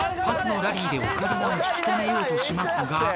パスのラリーでオカリナを引き留めようとしますが。